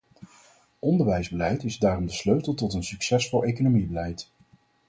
Onderwijsbeleid is daarom de sleutel tot een succesvol economiebeleid.